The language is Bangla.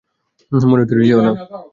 মরে-টরে যেও না।